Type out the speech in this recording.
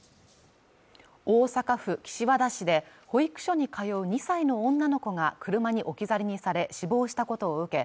大阪府岸和田市で保育所に通う２歳の女の子が車に置き去りにされ死亡したことを受け